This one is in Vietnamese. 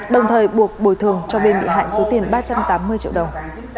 đồng thời buộc bồi thường cho bên bị hại số tiền ba trăm tám mươi triệu đồng